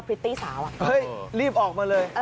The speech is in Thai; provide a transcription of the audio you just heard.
ิตตี้สาวเฮ้ยรีบออกมาเลย